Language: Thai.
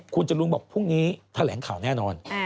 คุณจรุงบอกพรุ่งนี้แถลงข่าวแน่นอน